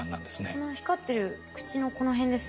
この光ってる口のこの辺ですね。